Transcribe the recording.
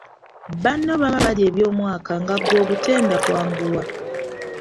Banno baba balya eby’omwaka nga ggwe ogutenda kwanguwa.